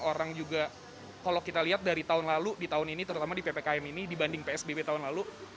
orang juga kalau kita lihat dari tahun lalu di tahun ini terutama di ppkm ini dibanding psbb tahun lalu